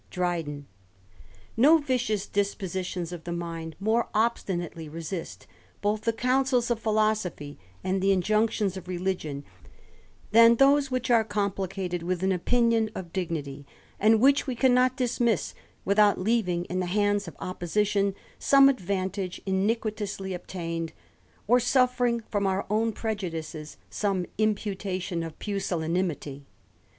Dryden. ■^O vicious dispositions of the mind more obstinately *^ resist both the counsels of philosophy and the injunctions of religion, than those which are complicated with an opinion of dignity ; and which we cannot dismiss without leaving in the hands of opposition some advantage iniquitously obtained, or suffering from our own prejudices some imputation of pusillanimity.